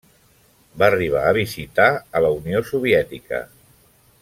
Va arribar a visitar a la Unió Soviètica.